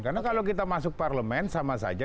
karena kalau kita masuk parlemen sama saja